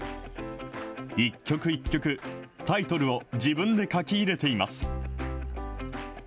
一曲一曲、タイトルを自分で書き入れています。